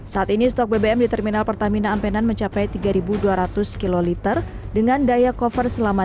saat ini stok bbm di terminal pertamina ampenan mencapai tiga ribu dua ratus km dengan daya cover selama